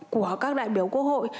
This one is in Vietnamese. của các đại biểu quốc hội